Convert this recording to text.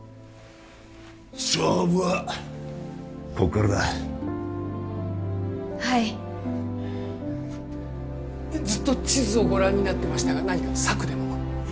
勝負はここからだはいずっと地図をご覧になってましたが何か策でも？